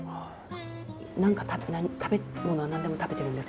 何か「食べ物は何でも食べてるんですか？」とか。